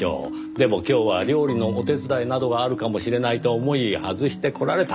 でも今日は料理のお手伝いなどがあるかもしれないと思い外してこられた。